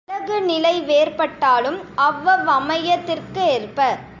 அலகுநிலை வேறுபாட்டாலும், அவ்வவ் வமையத்திற்கேற்ப